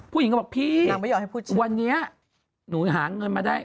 ผู้หญิงก็บอกพี่วันนี้หนูหาเงินมาได้